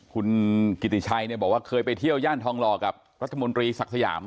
คุณกิติชัยบอกว่าเคยไปเที่ยวย่านทองหล่อกับรัฐมนตรีศักดิ์สยาม